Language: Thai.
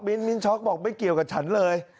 มิ้นช็อกบอกไม่เกี่ยวกับฉันเลย